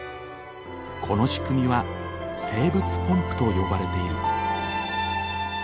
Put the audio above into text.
この仕組みは生物ポンプと呼ばれている。